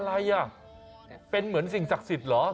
อะไรอ่ะเป็นเหมือนสิ่งศักดิ์สิทธิ์เหรอ